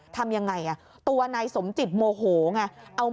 ทำยังไงตัวนายสมจิตโมโหไง